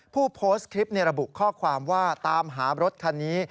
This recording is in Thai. ผู้โพสต์คลิประบุข้อความว่าตามหารถคันนี้